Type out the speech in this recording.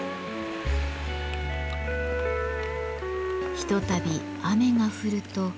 ひとたび雨が降ると。